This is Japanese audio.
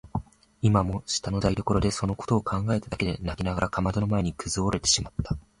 今も下の台所でそのことを考えただけで泣きながらかまどの前にくずおれてしまった。